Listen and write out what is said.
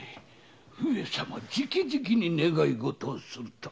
上様じきじきに願い事するとは。